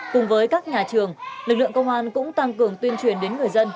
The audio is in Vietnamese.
cùng với các nhà trường lực lượng công an cũng tăng cường tuyên truyền đến người dân